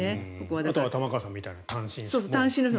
あとは玉川さんみたいな単身の。